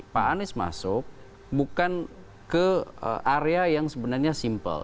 pak anies masuk bukan ke area yang sebenarnya simpel